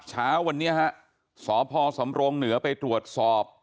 เช้าวันนี้ฮะสพสำรงเหนือไปตรวจสอบ